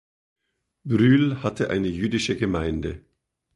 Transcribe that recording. Brüel hatte eine jüdische Gemeinde.